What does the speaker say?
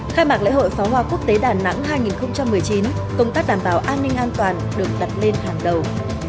khai mạc lễ hội pháo hoa quốc tế đà nẵng hai nghìn một mươi chín công tác đảm bảo an ninh an toàn được đặt lên hàng đầu